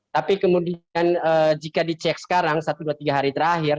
tapi kemudian jika dicek sekarang satu dua tiga hari terakhir